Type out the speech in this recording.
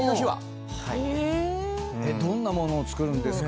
どんな物を作るんですか？